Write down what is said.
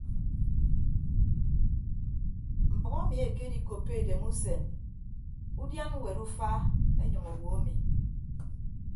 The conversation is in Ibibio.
Mbʌk emi ekedikoppo edemusen udian ñwet ufa enyịñ owo emi.